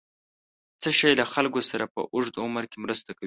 څه شی له خلکو سره په اوږد عمر کې مرسته کوي؟